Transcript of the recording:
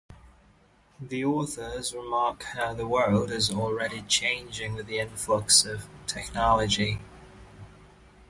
The authors remark how the world is already changing with the influx of technology.